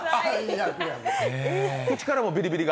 口からもビリビリが？